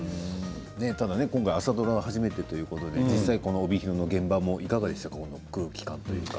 今回朝ドラ初めてということで実際帯広の現場もいかがでしたか空気感というか。